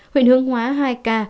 huyện hương hóa hai ca